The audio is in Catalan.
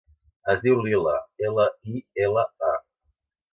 Es diu Lila: ela, i, ela, a.